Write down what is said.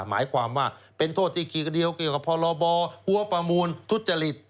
หมายความว่าเป็นโทษที่เกี่ยวกับพบหัวประมูลทุศจริต